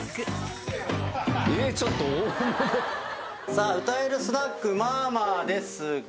さあ歌えるスナックまーまーですが。